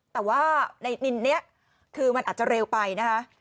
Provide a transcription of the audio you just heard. แต่ว่าในนินนี้คือมันอาจจะเร็วไปนะคะ